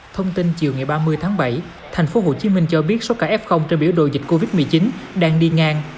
thông tin chiều ngày ba mươi tháng bảy thành phố hồ chí minh cho biết số cả f trên biểu đồ dịch covid một mươi chín đang đi ngang